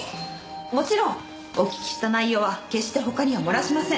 もちろんお聞きした内容は決して他には漏らしません。